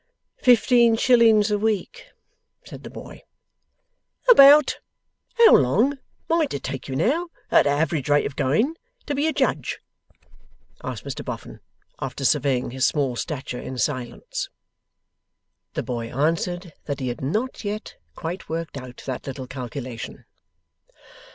'Fifteen shillings a week,' said the boy. 'About how long might it take you now, at a average rate of going, to be a Judge?' asked Mr Boffin, after surveying his small stature in silence. The boy answered that he had not yet quite worked out that little calculation.